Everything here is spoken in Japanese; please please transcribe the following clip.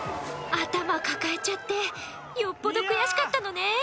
頭抱えちゃってよっぽど悔しかったのね